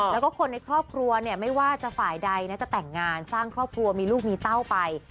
แล้วก็คนในครอบครัวเนี่ยไม่ว่าจะฝ่ายใดนะจะแต่งงานสร้างครอบครัวมีลูกมีเต้าไป